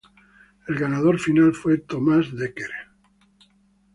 El ganador final fue Thomas Dekker.